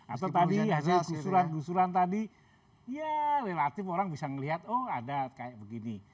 atau tadi hasil usulan gusulan tadi ya relatif orang bisa melihat oh ada kayak begini